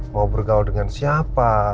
mau bergaul dengan siapa